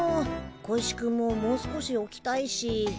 小石君ももう少しおきたいし。